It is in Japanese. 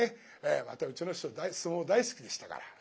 またうちの師匠相撲大好きでしたから。